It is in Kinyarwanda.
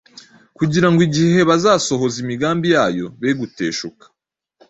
kugira ngo igihe basohoza imigambi yayo be guteshuka.